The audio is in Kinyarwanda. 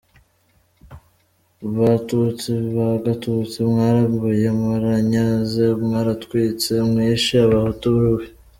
Batutsi ba Gatutsi, mwarambuye, mwaranyaze, mwaratwitse, mwishe Abahutu rubi.